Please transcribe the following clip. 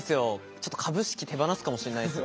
ちょっと株式手放すかもしれないっすよ。